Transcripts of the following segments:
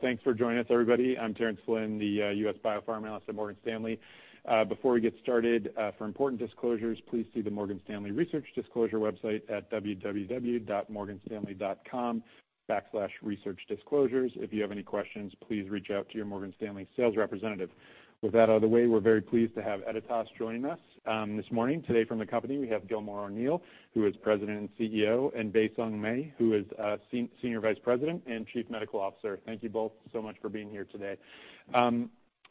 Well, thanks for joining us, everybody. I'm Terence Flynn, the U.S. Biopharm analyst at Morgan Stanley. Before we get started, for important disclosures, please see the Morgan Stanley Research Disclosure website at www.morganstanley.com/researchdisclosures. If you have any questions, please reach out to your Morgan Stanley sales representative. With that out of the way, we're very pleased to have Editas joining us this morning. Today, from the company, we have Gilmore O'Neill, who is President and CEO, and Baisong Mei, who is Senior Vice President and Chief Medical Officer. Thank you both so much for being here today.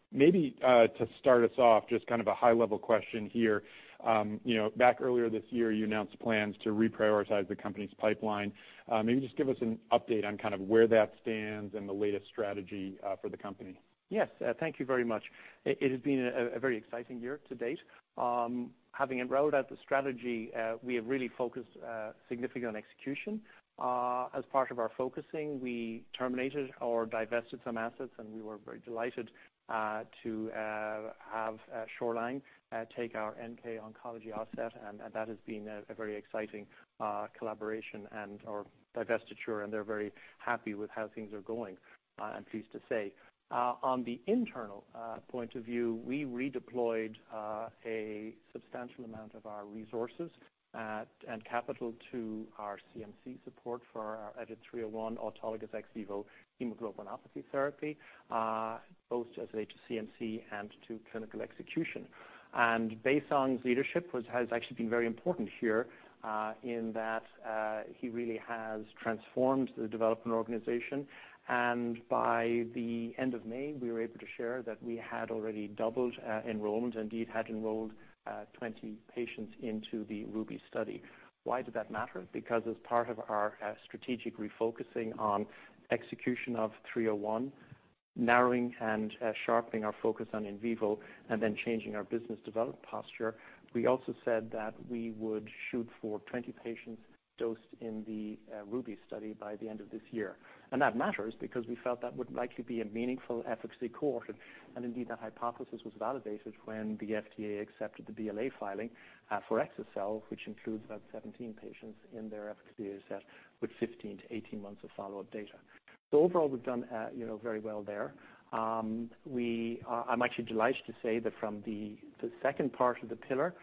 Maybe to start us off, just kind of a high-level question here. You know, back earlier this year, you announced plans to reprioritize the company's pipeline. Maybe just give us an update on kind of where that stands and the latest strategy for the company? Yes, thank you very much. It has been a very exciting year to date. Having rolled out the strategy, we have really focused significantly on execution. As part of our focusing, we terminated or divested some assets, and we were very delighted to have Shoreline take our NK oncology asset, and that has been a very exciting collaboration and/or divestiture, and they're very happy with how things are going, I'm pleased to say. From an internal point of view, we redeployed a substantial amount of our resources and capital to our CMC support for our EDIT-301 autologous ex vivo hemoglobinopathy therapy, both as a CMC and to clinical execution. Baisong's leadership has actually been very important here, in that he really has transformed the development organization. By the end of May, we were able to share that we had already doubled enrollment, indeed, had enrolled 20 patients into the RUBY study. Why did that matter? Because as part of our strategic refocusing on execution of 301, narrowing and sharpening our focus on in vivo, and then changing our business development posture, we also said that we would shoot for 20 patients dosed in the RUBY study by the end of this year. That matters because we felt that would likely be a meaningful efficacy cohort, and indeed, that hypothesis was validated when the FDA accepted the BLA filing for exa-cel, which includes about 17 patients in their efficacy data set, with 15 months-18 months of follow-up data. Overall, we've done, you know, very well there. We, I'm actually delighted to say that from the second part of the pillar,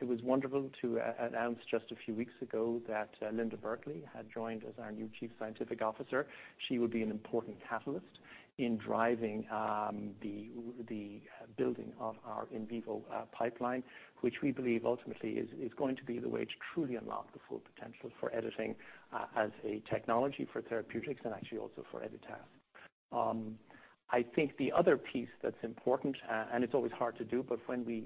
it was wonderful to announce just a few weeks ago that Linda Burkly had joined as our new Chief Scientific Officer. She will be an important catalyst in driving the building of our in vivo pipeline, which we believe ultimately is going to be the way to truly unlock the full potential for editing as a technology for therapeutics and actually also for Editas. I think the other piece that's important, and it's always hard to do, but when we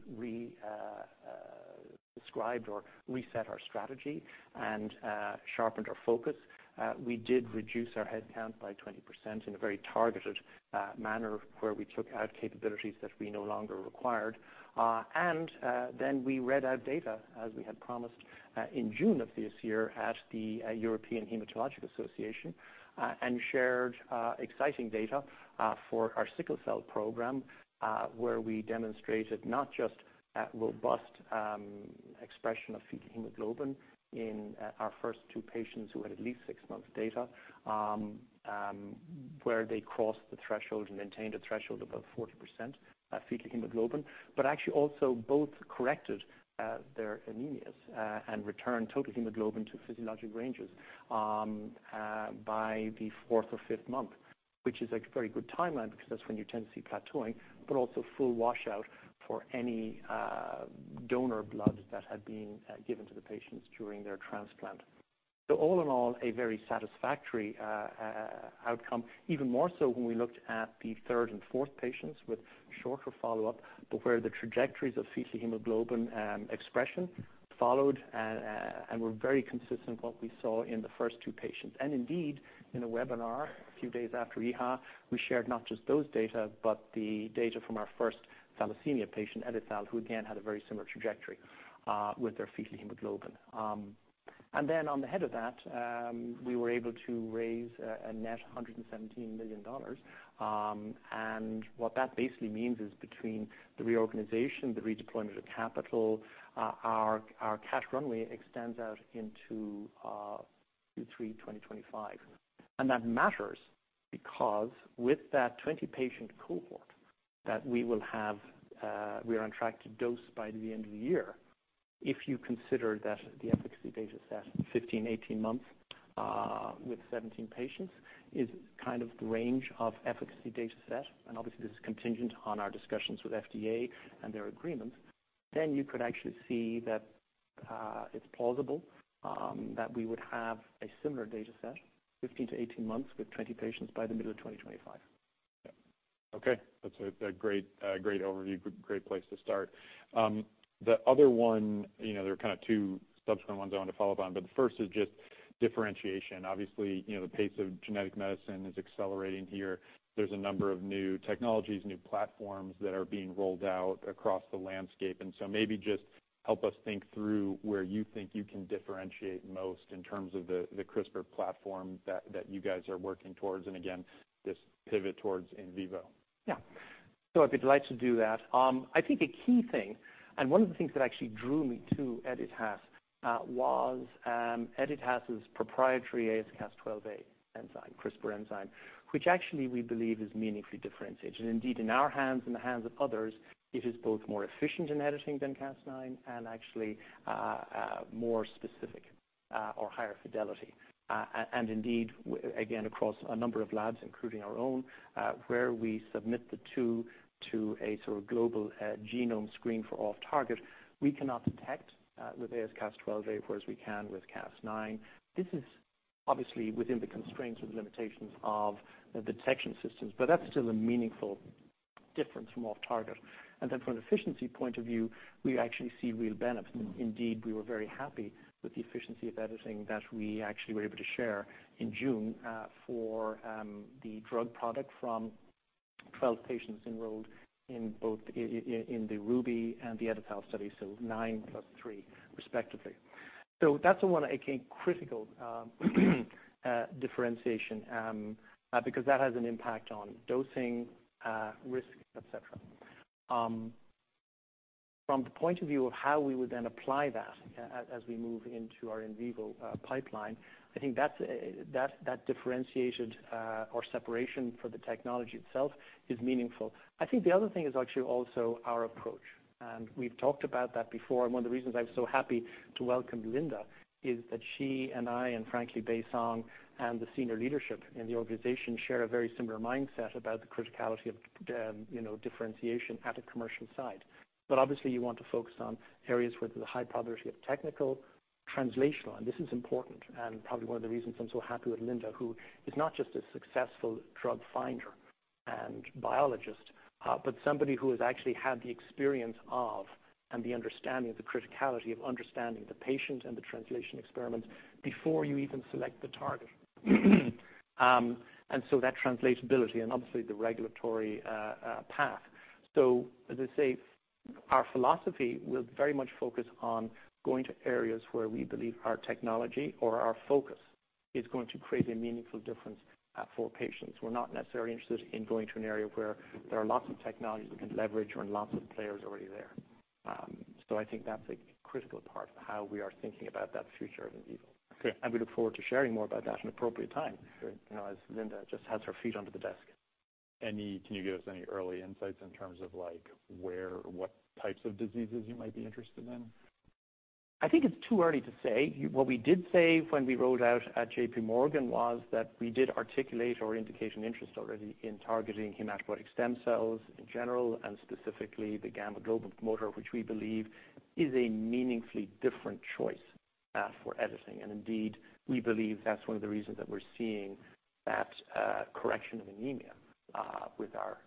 described or reset our strategy and sharpened our focus, we did reduce our headcount by 20% in a very targeted manner, where we took out capabilities that we no longer required. And then we read out data, as we had promised, in June of this year at the European Hematology Association, and shared exciting data for our sickle cell program, where we demonstrated not just a robust expression of fetal hemoglobin in our first two patients who had at least six months data, where they crossed the threshold and maintained a threshold above 40% fetal hemoglobin, but actually also both corrected their anemias and returned total hemoglobin to physiologic ranges by the fourth or fifth month, which is a very good timeline because that's when you tend to see plateauing, but also full washout for any donor blood that had been given to the patients during their transplant. So all in all, a very satisfactory outcome, even more so when we looked at the third and fourth patients with shorter follow-up, but where the trajectories of fetal hemoglobin expression followed and were very consistent with what we saw in the first two patients. And indeed, in a webinar a few days after EHA, we shared not just those data, but the data from our first thalassemia patient, EdiTHAL, who again had a very similar trajectory with their fetal hemoglobin. And then on the heels of that, we were able to raise a net $117 million. And what that basically means is between the reorganization, the redeployment of the capital, our cash runway extends out into Q3 2025. And that matters because with that 20-patient cohort that we will have, we are on track to dose by the end of the year. If you consider that the efficacy data set 15 months-18 months, with 17 patients is kind of the range of efficacy data set, and obviously this is contingent on our discussions with FDA and their agreement, then you could actually see that, it's plausible, that we would have a similar data set, 15 months-18 months with 20 patients by the middle of 2025. Yeah. Okay, that's a great overview, great place to start. The other one, you know, there are kind of two subsequent ones I want to follow up on, but the first is just differentiation. Obviously, you know, the pace of genetic medicine is accelerating here. There's a number of new technologies, new platforms that are being rolled out across the landscape, and so maybe just help us think through where you think you can differentiate most in terms of the CRISPR platform that you guys are working towards, and again, this pivot towards in vivo. So I'd be delighted to do that. I think a key thing, and one of the things that actually drew me to Editas, was, Editas's proprietary AsCas12a enzyme, CRISPR enzyme, which actually we believe is meaningfully differentiated. And indeed, in our hands and the hands of others, it is both more efficient in editing than Cas9 and actually, more specific, or higher fidelity. And indeed, again, across a number of labs, including our own, where we submit the two to a sort of global, genome screen for off-target, we cannot detect, with AsCas12a whereas we can with Cas9. This is obviously within the constraints and limitations of the detection systems, but that's still a meaningful difference from off-target. And then from an efficiency point of view, we actually see real benefits. Indeed, we were very happy with the efficiency of editing that we actually were able to share in June for the drug product from 12 patients enrolled in both in the RUBY and the EdiTHAL study, so 9+3, respectively. So that's the one, I think, critical differentiation because that has an impact on dosing, risk, et cetera. From the point of view of how we would then apply that as we move into our in vivo pipeline, I think that's that differentiation or separation for the technology itself is meaningful. I think the other thing is actually also our approach, and we've talked about that before. One of the reasons I'm so happy to welcome Linda is that she and I, and frankly, Baisong, and the senior leadership in the organization share a very similar mindset about the criticality of, you know, differentiation at a commercial side. But obviously, you want to focus on areas with a high probability of technical translational, and this is important and probably one of the reasons I'm so happy with Linda, who is not just a successful drug finder and biologist, but somebody who has actually had the experience of and the understanding of the criticality of understanding the patient and the translation experiments before you even select the target. And so that translatability and obviously the regulatory path. So as I say, our philosophy will very much focus on going to areas where we believe our technology or our focus is going to create a meaningful difference, for patients. We're not necessarily interested in going to an area where there are lots of technologies we can leverage and lots of players already there. So I think that's a critical part of how we are thinking about that future of in vivo. Okay. We look forward to sharing more about that in appropriate time. Great. You know, as Linda just has her feet under the desk. Can you give us any early insights in terms of like, where, what types of diseases you might be interested in? I think it's too early to say. What we did say when we rolled out at JPMorgan was that we did articulate our indication interest already in targeting hematopoietic stem cells in general, and specifically the gamma globin promoter, which we believe is a meaningfully different choice for editing. And indeed, we believe that's one of the reasons that we're seeing that correction of anemia with our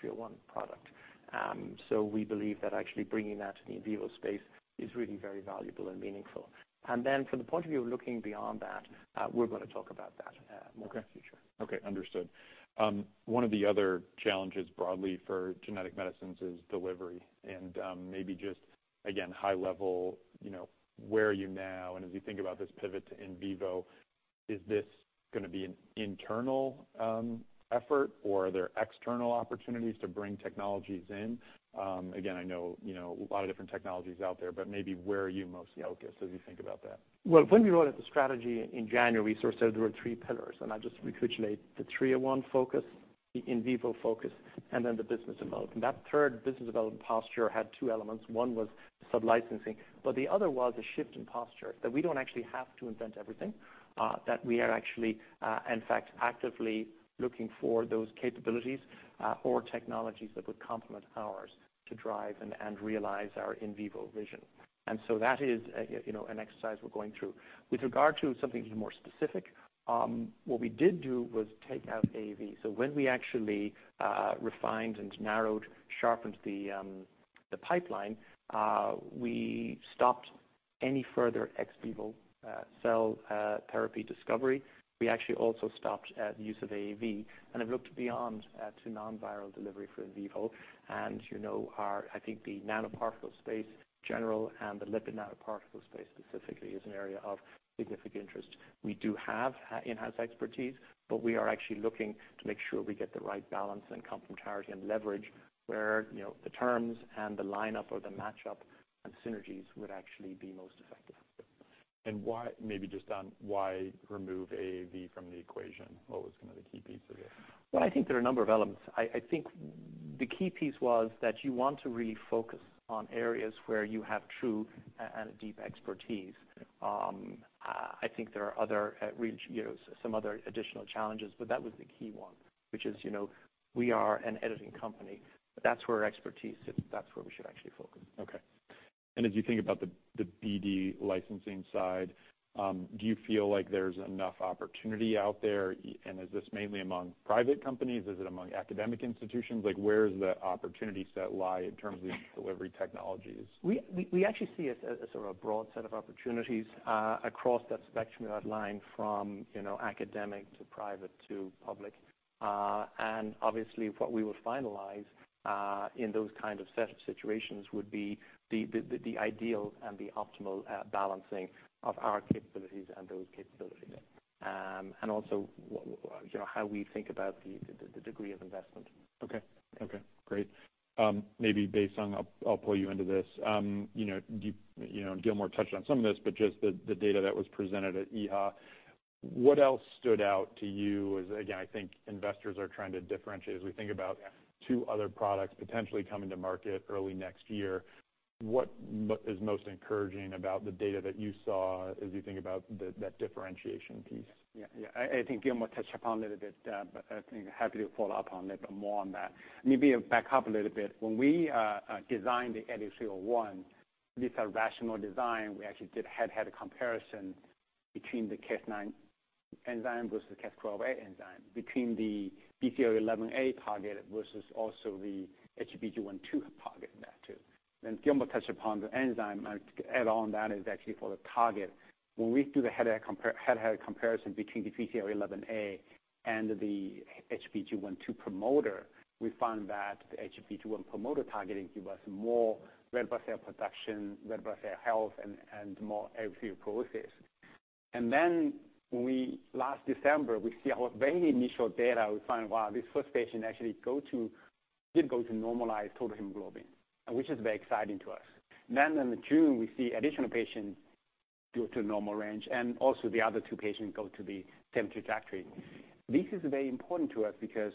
301 product. So we believe that actually bringing that to the in vivo space is really very valuable and meaningful. And then from the point of view of looking beyond that, we're gonna talk about that more in the future. Okay, understood. One of the other challenges broadly for genetic medicines is delivery, and, maybe just, again, high level, you know, where are you now? And as you think about this pivot to in vivo, is this gonna be an internal, effort, or are there external opportunities to bring technologies in? Again, I know, you know, a lot of different technologies out there, but maybe where are you most focused as you think about that? Well, when we rolled out the strategy in January, we sort of said there were three pillars, and I just recapitulate the 301 focus, the in vivo focus, and then the business development. That third business development posture had two elements. One was sub-licensing, but the other was a shift in posture, that we don't actually have to invent everything. That we are actually, in fact, actively looking for those capabilities, or technologies that would complement ours to drive and realize our in vivo vision. And so that is a, you know, an exercise we're going through. With regard to something more specific, what we did do was take out AAV. So when we actually refined and narrowed, sharpened the pipeline, we stopped any further ex vivo cell therapy discovery. We actually also stopped the use of AAV and have looked beyond to non-viral delivery for in vivo. And, you know, our, I think the nanoparticle space, general and the lipid nanoparticle space specifically, is an area of significant interest. We do have in-house expertise, but we are actually looking to make sure we get the right balance and complementarity and leverage where, you know, the terms and the lineup or the matchup and synergies would actually be most effective. Why remove AAV from the equation? What was kind of the key piece of it? Well, I think there are a number of elements. I think the key piece was that you want to really focus on areas where you have true and a deep expertise. I think there are other, you know, some other additional challenges, but that was the key one, which is, you know, we are an editing company. That's where our expertise sits, that's where we should actually focus. Okay. And as you think about the BD licensing side, do you feel like there's enough opportunity out there? And is this mainly among private companies? Is it among academic institutions? Like, where does the opportunity set lie in terms of these delivery technologies? We actually see it as sort of a broad set of opportunities across that spectrum you outlined from, you know, academic to private to public. And obviously, what we will finalize in those kind of set of situations would be the ideal and the optimal balancing of our capabilities and those capabilities. And also, you know, how we think about the degree of investment. Okay. Okay, great. Maybe Baisong, I'll pull you into this. You know, do you, you know, Gilmore touched on some of this, but just the data that was presented at EHA, what else stood out to you? As, again, I think investors are trying to differentiate as we think about two other products potentially coming to market early next year. What is most encouraging about the data that you saw as you think about that differentiation piece? Yeah. Yeah. I, I think Gilmore touched upon it a bit, but I think happy to follow up on it, but more on that. Maybe back up a little bit. When we designed the EDIT-301, this is a rational design, we actually did head-to-head comparison between the Cas9 enzyme versus the AsCas12a enzyme, between the BCL11A target versus also the HBG1/2 target in that too. Then Gilmore touched upon the enzyme, and to add on that is actually for the target. When we do the head-to-head comparison between the BCL11A and the HBG1/2 promoter, we found that the HBG1/2 promoter targeting give us more red blood cell production, red blood cell health, and, and more efficacy process. Then when we last December, we see our very initial data, we find, wow, this first patient actually go to, did go to normalized total hemoglobin, which is very exciting to us. Then in the June, we see additional patients go to normal range, and also the other two patients go to the same trajectory. This is very important to us because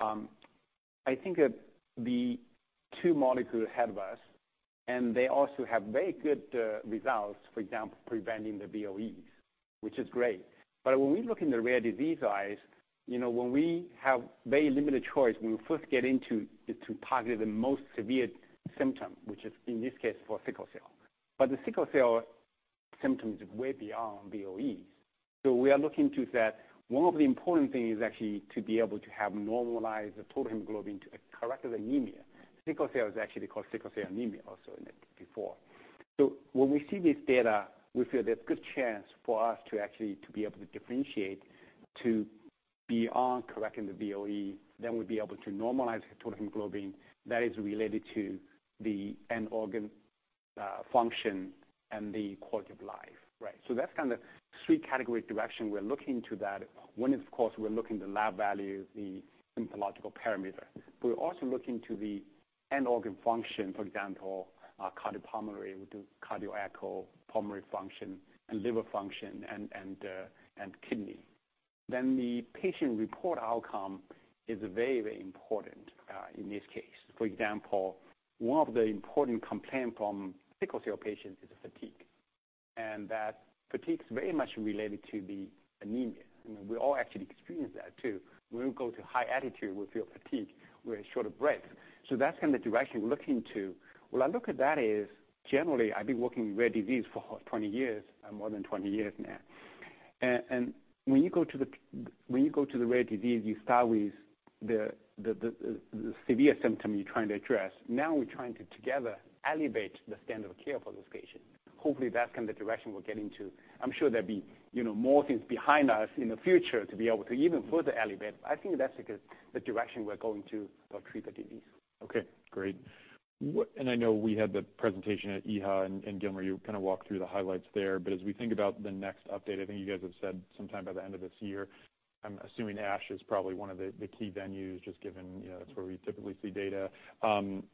I think that the two molecule ahead of us, and they also have very good results, for example, preventing the VOEs, which is great. But when we look in the rare disease eyes, you know, when we have very limited choice, when we first get into the to target the most severe symptom, which is, in this case, for sickle cell. But the sickle cell symptom is way beyond VOEs. So we are looking to that. One of the important thing is actually to be able to have normalized the total hemoglobin to correct the anemia. Sickle cell is actually called sickle cell anemia also in it before. So when we see this data, we feel there's good chance for us to actually to be able to differentiate, to beyond correcting the VOE, then we'll be able to normalize total hemoglobin that is related to the end organ function and the quality of life. Right. So that's kind of three category direction we're looking to that. One is, of course, we're looking the lab value, the symptomological parameter. But we're also looking to the end organ function, for example, cardiopulmonary, we do cardiac or pulmonary function and liver function and kidney. Then the patient report outcome is very, very important in this case. For example, one of the important complaint from sickle cell patients is the fatigue, and that fatigue is very much related to the anemia. We all actually experience that, too. When we go to high altitude, we feel fatigue, we're short of breath. So that's kind of the direction we're looking to. When I look at that is, generally, I've been working in rare disease for 20 years, more than 20 years now. And when you go to the rare disease, you start with the severe symptom you're trying to address. Now we're trying to together elevate the standard of care for those patients. Hopefully, that's kind of the direction we're getting to. I'm sure there'll be, you know, more things behind us in the future to be able to even further elevate. I think that's the direction we're going to treat the disease. Okay, great. What, and I know we had the presentation at EHA, and Gilmore, you kind of walked through the highlights there. But as we think about the next update, I think you guys have said sometime by the end of this year. I'm assuming ASH is probably one of the key venues, just given, you know, that's where we typically see data.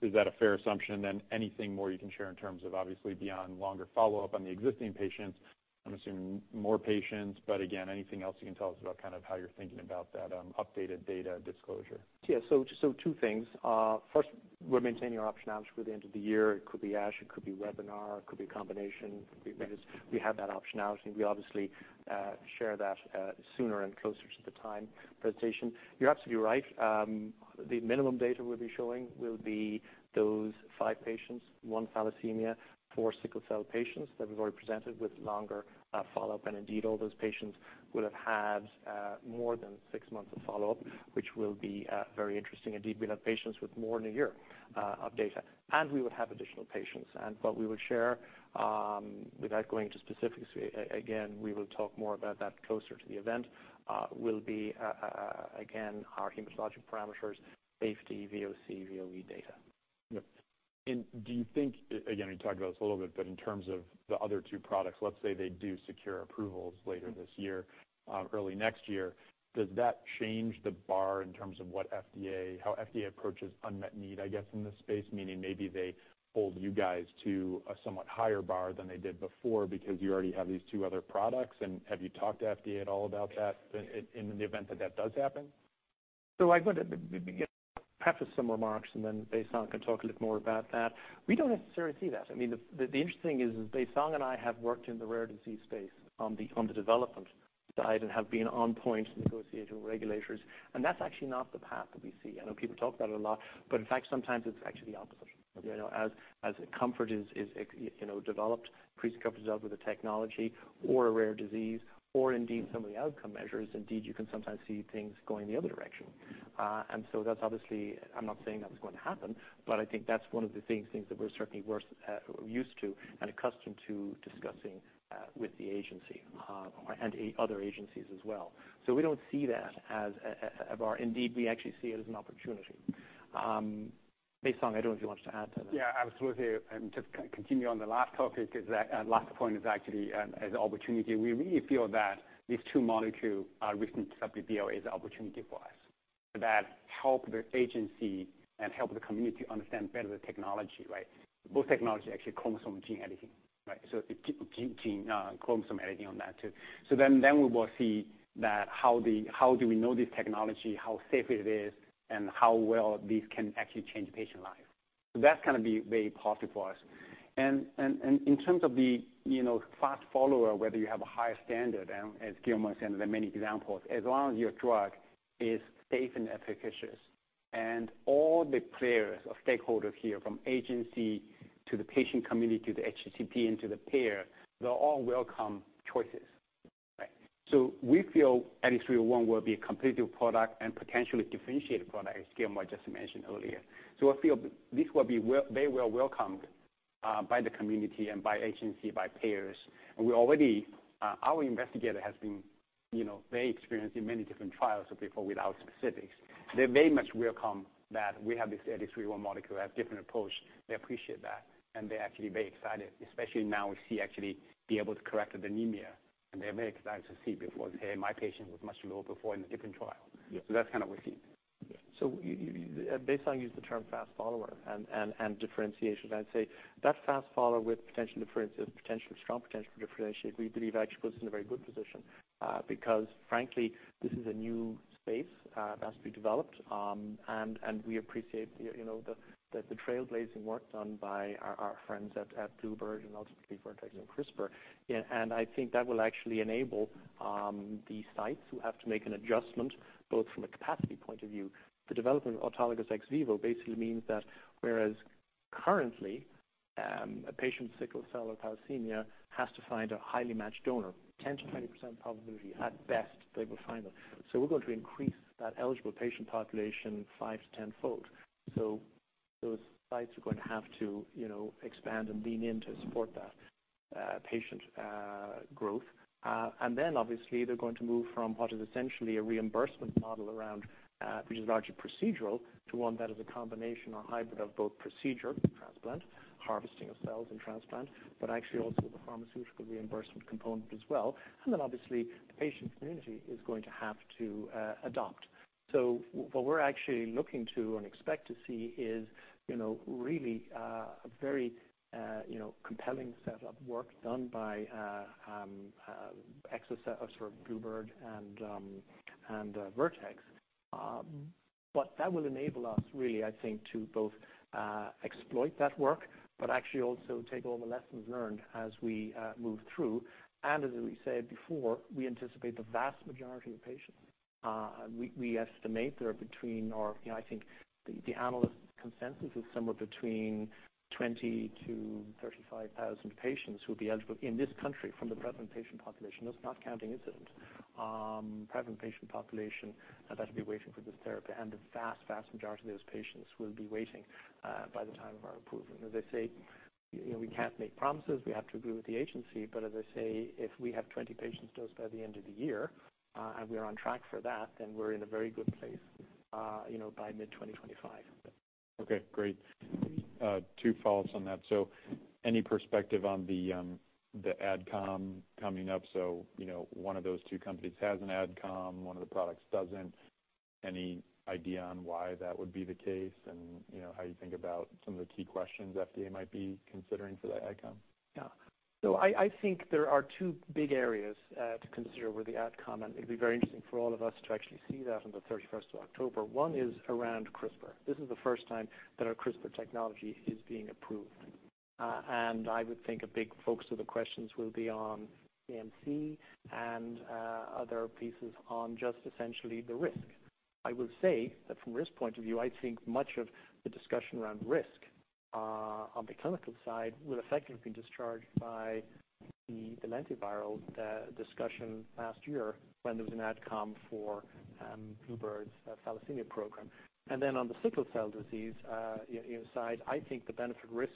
Is that a fair assumption? Then anything more you can share in terms of obviously beyond longer follow-up on the existing patients? I'm assuming more patients, but again, anything else you can tell us about kind of how you're thinking about that updated data disclosure? Yeah, so two things. First, we're maintaining our optionality for the end of the year. It could be ASH, it could be webinar, it could be a combination, because we have that optionality. We obviously share that sooner and closer to the time presentation. You're absolutely right. The minimum data we'll be showing will be those five patients, one thalassemia, four sickle cell patients that we've already presented with longer follow-up. And indeed, all those patients would have had more than 6 months of follow-up, which will be very interesting. Indeed, we have patients with more than a year of data, and we would have additional patients. And what we would share, without going into specifics, again, we will talk more about that closer to the event, will be again our hematologic parameters, safety, VOC, VOE data. Yep. And do you think, again, you talked about this a little bit, but in terms of the other two products, let's say they do secure approvals later this year, early next year, does that change the bar in terms of what FDA, how FDA approaches unmet need, I guess, in this space? Meaning maybe they hold you guys to a somewhat higher bar than they did before because you already have these two other products. And have you talked to FDA at all about that in the event that that does happen? So I go to perhaps some remarks, and then Baisong can talk a little more about that. We don't necessarily see that. I mean, the interesting thing is, Baisong and I have worked in the rare disease space on the development side and have been on point negotiating with regulators, and that's actually not the path that we see. I know people talk about it a lot, but in fact, sometimes it's actually the opposite. You know, as comfort is, you know, developed, precedent with the technology or a rare disease, or indeed some of the outcome measures, indeed, you can sometimes see things going the other direction. And so that's obviously... I'm not saying that's going to happen, but I think that's one of the things that we're certainly well used to and accustomed to discussing with the agency and other agencies as well. So we don't see that as a bar. Indeed, we actually see it as an opportunity. Baisong, I don't know if you want to add to that. Yeah, absolutely. Just continue on the last topic, is that, and last point is actually, as an opportunity, we really feel that these two molecule are recent [sub-VOE] is an opportunity for us. That help the agency and help the community understand better the technology, right? Both technology, actually, chromosome gene editing, right? So gene, gene, chromosome editing on that, too. So then, we will see that how the—how do we know this technology, how safe it is, and how well this can actually change patient life. So that's gonna be very positive for us. And in terms of the, you know, fast follower, whether you have a higher standard, and as Gilmore said, there are many examples, as long as your drug is safe and efficacious, and all the players or stakeholders here, from agency to the patient community, to the HCP, and to the payer, they'll all welcome choices, right? So we feel EDIT-301 will be a competitive product and potentially differentiated product, as Gilmore just mentioned earlier. So I feel this will be very well welcomed by the community and by agency, by payers. And we already, our investigator has been, you know, very experienced in many different trials before, without specifics. They very much welcome that we have this EDIT-301 molecule, we have different approach. They appreciate that, and they're actually very excited, especially now we see actually be able to correct anemia, and they're very excited to see before. They say, "My patient was much lower before in a different trial." Yeah. So that's kind of we see. Yeah. So, you - Baisong used the term fast follower and differentiation. I'd say that fast follower with potential difference is potential, strong potential for differentiate. We believe actually puts us in a very good position, because frankly, this is a new space that's been developed. And we appreciate the, you know, the, that the trailblazing work done by our friends at bluebird and ultimately Vertex and CRISPR. Yeah, and I think that will actually enable the sites who have to make an adjustment, both from a capacity point of view. The development of autologous ex vivo basically means that whereas currently, a patient with sickle cell or thalassemia has to find a highly matched donor, 10%-20% probability, at best, they will find them. So we're going to increase that eligible patient population 5-fold to 10-fold. So those sites are going to have to, you know, expand and lean in to support that, patient, growth. And then obviously, they're going to move from what is essentially a reimbursement model around, which is largely procedural, to one that is a combination or hybrid of both procedure, transplant, harvesting of cells and transplant, but actually also the pharmaceutical reimbursement component as well. And then obviously, the patient community is going to have to, adopt. So what we're actually looking to and expect to see is, you know, really, a very, you know, compelling set of work done by, exa-cel or bluebird and, and, Vertex. But that will enable us, really, I think, to both, exploit that work, but actually also take all the lessons learned as we, move through. As we said before, we anticipate the vast majority of patients. We, we estimate there are between, or you know, I think the, the analyst consensus is somewhere between 20,000 patients-35,000 patients who will be eligible in this country from the prevalent patient population. That's not counting incident. Prevalent patient population that'll be waiting for this therapy, and the vast, vast majority of those patients will be waiting by the time of our approval. As I say, you know, we can't make promises. We have to agree with the agency, but as I say, if we have 20 patients dosed by the end of the year and we're on track for that, then we're in a very good place, you know, by mid-2025. Okay, great. Two follows on that. So any perspective on the AdCom coming up? So, you know, one of those two companies has an AdCom, one of the products doesn't. Any idea on why that would be the case, and, you know, how you think about some of the key questions FDA might be considering for that AdCom? I think there are two big areas to consider with the AdCom, and it'd be very interesting for all of us to actually see that on the 31st of October. One is around CRISPR. This is the first time that our CRISPR technology is being approved. And I would think a big focus of the questions will be on CMC and other pieces on just essentially the risk. I will say that from risk point of view, I think much of the discussion around risk on the clinical side will effectively be discharged by the lentiviral discussion last year when there was an AdCom for bluebird's thalassemia program. And then on the sickle cell disease side, I think the benefit risk,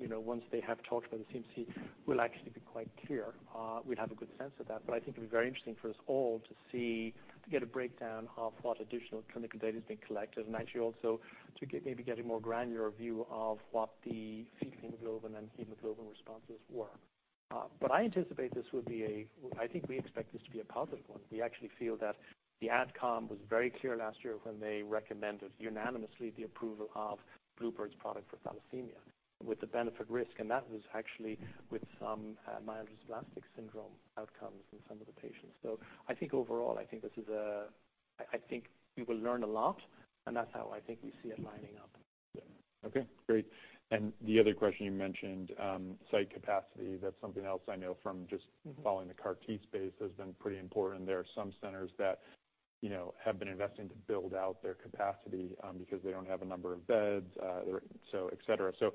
you know, once they have talked about the CMC, will actually be quite clear. We'll have a good sense of that, but I think it'll be very interesting for us all to see, to get a breakdown of what additional clinical data has been collected, and actually also to get, maybe get a more granular view of what the fetal hemoglobin and hemoglobin responses were. But I anticipate this will be a, I think we expect this to be a positive one. We actually feel that the AdCom was very clear last year when they recommended unanimously the approval of bluebird's product for thalassemia with the benefit risk, and that was actually with some myelodysplastic syndrome outcomes in some of the patients. So I think overall, I think this is a, I think we will learn a lot, and that's how I think we see it lining up. Okay, great. And the other question you mentioned, site capacity. That's something else I know from just following the CAR T space, has been pretty important. There are some centers that, you know, have been investing to build out their capacity, because they don't have a number of beds, so et cetera. So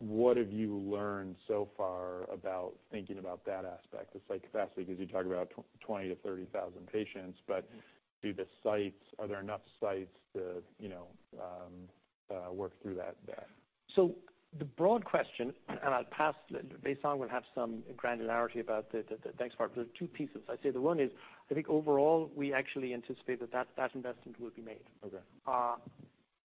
what have you learned so far about thinking about that aspect, the site capacity? Because you talk about 20,000 patients-30,000 patients, but do the sites, are there enough sites to, you know, work through that there? So the broad question, and I'll pass, Baisong will have some granularity about the next part. There are two pieces. I'd say the one is, I think overall, we actually anticipate that investment will be made. Okay.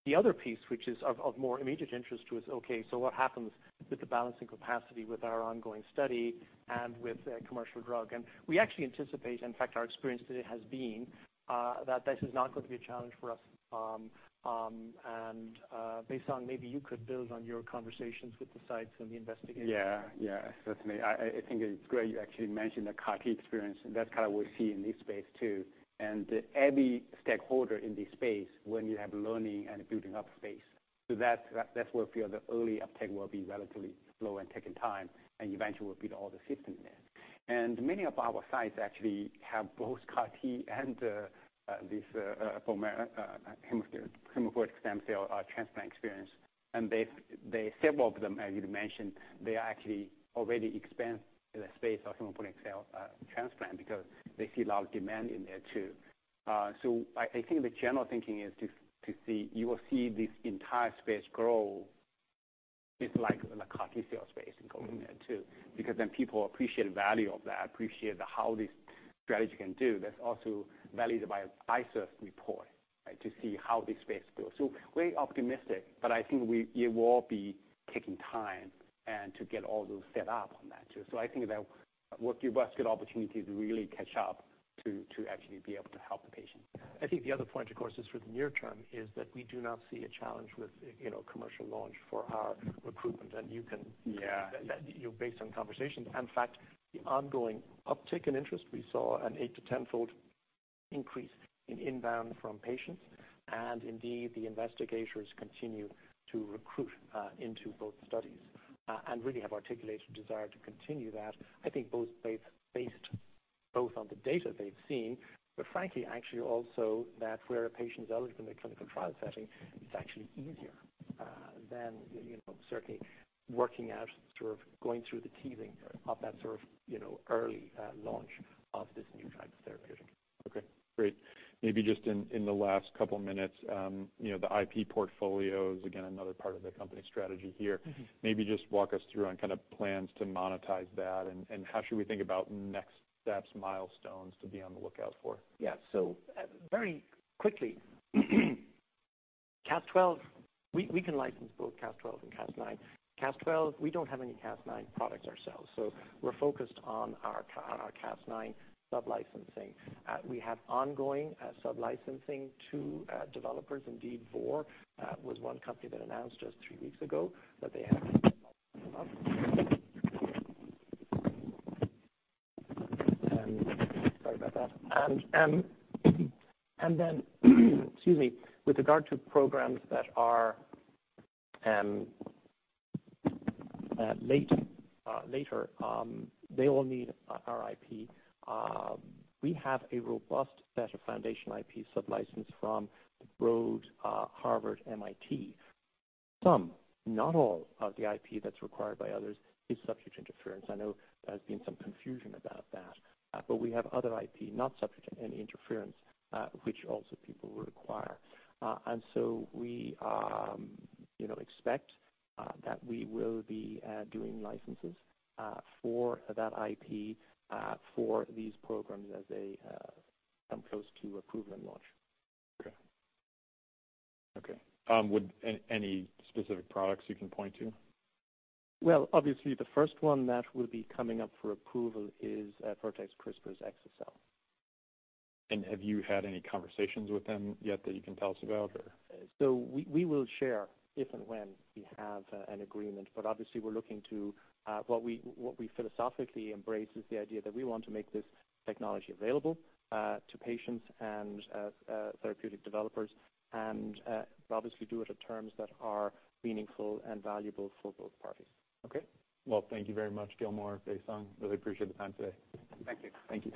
The other piece, which is of more immediate interest to us, okay, so what happens with the balancing capacity with our ongoing study and with a commercial drug? And we actually anticipate, in fact, our experience today has been that this is not going to be a challenge for us. Based on maybe you could build on your conversations with the sites and the investigators. Yeah, yeah, certainly. I think it's great you actually mentioned the CAR T experience. That's kind of what we see in this space, too, and every stakeholder in this space, when you have learning and building up space. So that's where feel the early uptake will be relatively slow and taking time and eventually will be to all the systems there. And many of our sites actually have both CAR T and this hematopoietic stem cell transplant experience. And they've - they, several of them, as you mentioned, they actually already expand the space of hematopoietic cell transplant because they see a lot of demand in there, too. So I think the general thinking is to see - you will see this entire space grow. It's like the CAR T cell space and going there, too, because then people appreciate the value of that, appreciate how this strategy can do. That's also validated by ICER's report, right, to see how this space grows. So we're optimistic, but I think it will be taking time and to get all those set up on that, too. So I think that what you get opportunity to really catch up to, to actually be able to help the patient. I think the other point, of course, is for the near term, is that we do not see a challenge with, you know, commercial launch for our recruitment. And you can- Yeah. You know, based on conversations. In fact, the ongoing uptick in interest, we saw an 8-fold to 10-fold increase in inbound from patients, and indeed, the investigators continue to recruit into both studies, and really have articulated desire to continue that. I think, based both on the data they've seen, but frankly, actually also that where a patient is eligible in a clinical trial setting, it's actually easier than, you know, certainly working out, sort of going through the teething of that sort of, you know, early launch of this new type of therapeutic. Okay, great. Maybe just in the last couple of minutes, you know, the IP portfolio is, again, another part of the company's strategy here. Mm-hmm. Maybe just walk us through on kind of plans to monetize that and, and how should we think about next steps, milestones to be on the lookout for? Yeah. So very quickly, Cas12, we can license both Cas12 and Cas9. Cas12, we don't have any Cas9 products ourselves, so we're focused on our Cas9 sublicensing. We have ongoing sublicensing to developers. Indeed, Vor was one company that announced just three weeks ago that they had, and sorry about that. And then, excuse me, with regard to programs that are later, they will need our IP. We have a robust set of foundation IP sublicense from Broad, Harvard, MIT. Some, not all, of the IP that's required by others is subject to interference. I know there's been some confusion about that, but we have other IP, not subject to any interference, which also people will require. And so we, you know, expect that we will be doing licenses for that IP for these programs as they come close to approval and launch. Okay. Okay, would any specific products you can point to? Well, obviously, the first one that will be coming up for approval is Vertex CRISPR exa-cel. Have you had any conversations with them yet that you can tell us about, or? So we, we will share if and when we have an agreement, but obviously, we're looking to what we, what we philosophically embrace is the idea that we want to make this technology available to patients and therapeutic developers, and obviously do it at terms that are meaningful and valuable for both parties. Okay. Well, thank you very much, Gilmore, Baisong. Really appreciate the time today. Thank you. Thank you.